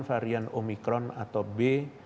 varian omikron atau b satu satu lima ratus dua puluh sembilan